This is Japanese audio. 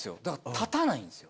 たたないんですよ。